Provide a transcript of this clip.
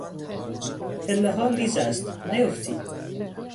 پلهها لیز است نیافتی!